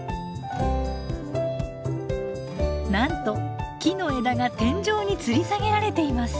なんと木の枝が天井につり下げられています。